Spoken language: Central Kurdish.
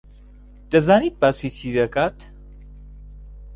دەزانێت باسی چی دەکات.